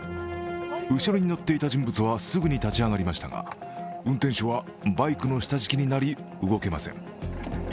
後ろに乗っていた人物はすぐに立ち上がりましたが、運転手はバイクの下敷きになり、動けません。